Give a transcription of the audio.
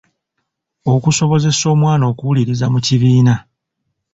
Okusobozesa omwana okuwuliriza mu kibiina.